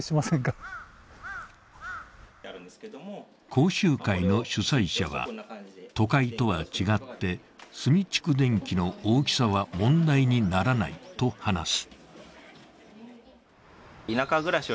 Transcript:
講習会の主催者は都会とは違って炭蓄電器の大きさは問題にならないと話す。